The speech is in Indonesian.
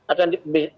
akan bisa tidak